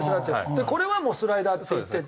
これはもうスライダーって言ってて。